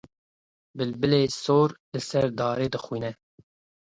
Bilbilê sor li ser darê dixwîne